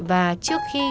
và trước khi